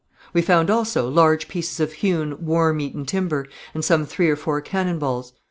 We found also, large pieces of hewn, worm eaten timber, and some three or four cannon balls.